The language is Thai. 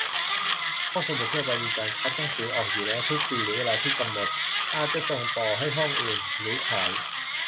ห้องสมุดทั่วไปมีการคัดหนังสือออกอยู่แล้ว ทุกปีหรือเวลาที่กำหนด อาจจะส่งต่อให้ห้องอื่น หรือขาย